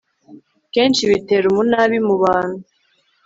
kenshi bitera umunabi mubantu